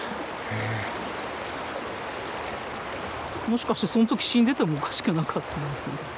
もしかしてその時死んでてもおかしくなかったですね。